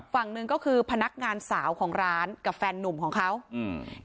ฝั่งหนึ่งก็คือพนักงานสาวของร้านกับแฟนนุ่มของเขาอืม